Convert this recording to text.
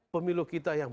pemilu kita yang